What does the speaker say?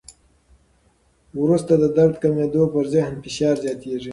وروسته د درد کمېدو، پر ذهن فشار زیاتېږي.